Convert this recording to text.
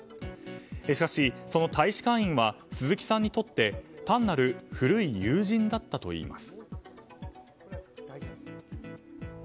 しかし、その大使館員は鈴木さんにとって単なる古い友人だったといいます。